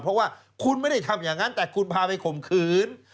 เพราะว่าคุณไม่ได้ทำอย่างนั้นแต่คุณพาไปข่มขืน